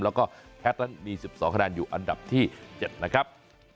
แล้วก็แพทย์นั้นมี๑๒คะแนนอยู่อันดับที่๗นะครับ